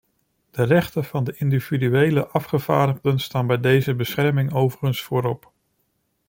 De rechten van de individuele afgevaardigden staan bij deze bescherming overigens voorop.